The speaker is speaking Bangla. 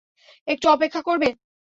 একটু অপেক্ষা করবে?